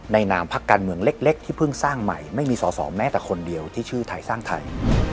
นามพักการเมืองเล็กที่เพิ่งสร้างใหม่ไม่มีสอสอแม้แต่คนเดียวที่ชื่อไทยสร้างไทย